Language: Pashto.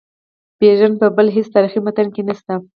بیژن په بل هیڅ تاریخي متن کې نسته.